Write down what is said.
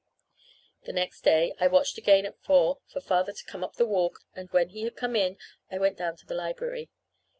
The next day I watched again at four for Father to come up the walk; and when he had come in I went down to the library.